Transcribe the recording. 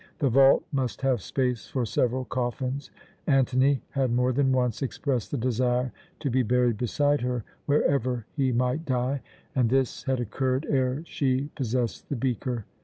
The vault must have space for several coffins. Antony had more than once expressed the desire to be buried beside her, wherever he might die, and this had occurred ere she possessed the beaker.